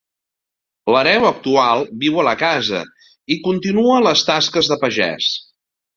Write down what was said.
L'hereu actual viu a la casa i continua les tasques de pagès.